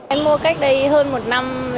em mua cách đây hơn một năm